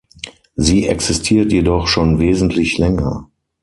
Sie existiert jedoch schon wesentlich länger.